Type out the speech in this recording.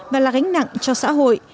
và là gánh nặng cho xã hội